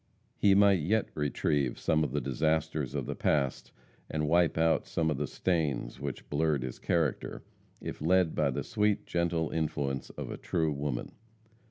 He might yet retrieve some of the disasters of the past, and wipe out some of the stains which blurred his character, if led by the sweet, gentle influence of a true woman.